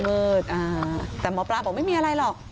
แต่หมอปลาบอกไม่มีอะไรหรอก